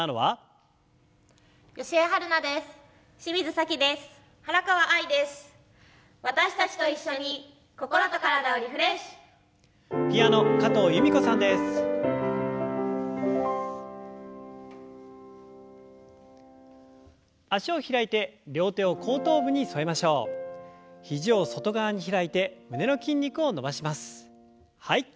はい。